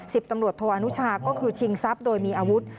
ตำรวจโทวานุชาก็คือชิงทรัพย์โดยมีอาวุธ